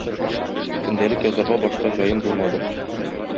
Көндәлек язарга башта җаем булмады.